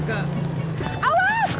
nggak lama kenal nek nek